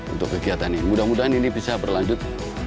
untuk kegiatan ini mudah mudahan ini bisa berlanjut